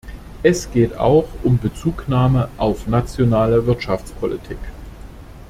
Es geht auch um Bezugnahme auf nationale Wirtschaftspolitik.